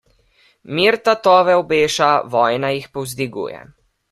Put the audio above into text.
Mir tatove obeša, vojna jih povzdiguje.